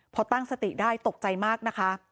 พอตั้งสติได้ตกใจมากนะคะ